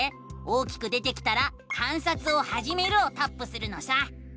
大きく出てきたら「観察をはじめる」をタップするのさ！